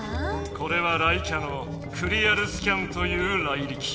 これは雷キャの「クリアルスキャン」というライリキ。